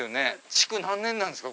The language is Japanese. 築何年なんですか？